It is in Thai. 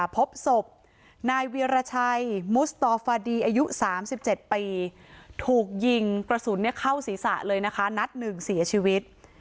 พบศพนายเวียรชัยมุสตฟาดีอายุ๓๗ปีถูกยิงกระสุนเข้าศีรษะเลยนะคะนัดหนึ่งเสียชีวิต